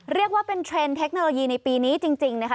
เรียกว่าเป็นเทรนด์เทคโนโลยีในปีนี้จริงนะคะ